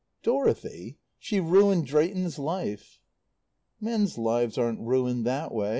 "Dorothy? She ruined Drayton's life." "Men's lives aren't ruined that way.